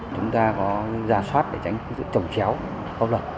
chúng ta có gia soát để tránh sự trồng chéo hốc lập